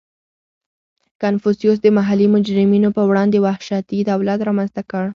• کنفوسیوس د محلي مجرمینو په وړاندې وحشتي دولت رامنځته کړ.